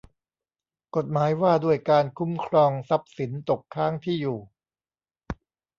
กฎหมายว่าด้วยการคุ้มครองทรัพย์สินตกค้างที่อยู่